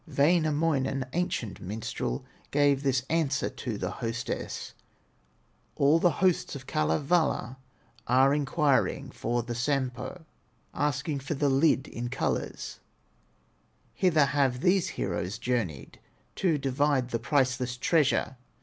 Wainamoinen, ancient minstrel, Gave this answer to the hostess: "All the hosts of Kalevala Are inquiring for the Sampo, Asking for the lid in colors; Hither have these heroes journeyed To divide the priceless treasure."